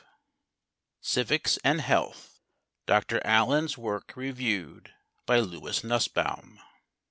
] Civics and Health DR. ALLEN'S WORK REVIEWED BY LOUIS NUSBAUM.